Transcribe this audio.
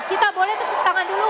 kita boleh tepuk tangan dulu